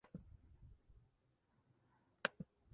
En la actualidad su carácter industrial se ha perdido por completo.